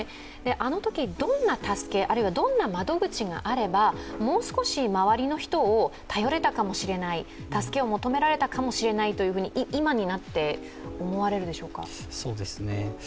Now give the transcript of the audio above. あのときどんな助け、あるいはどんな窓口があれば、もう少し周りの人を頼れたかもしれない、助けを求められたかもしれないと今になって思われるでしょうか？